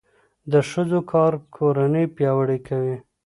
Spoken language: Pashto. د ښځو کار کورنۍ پیاوړې کوي.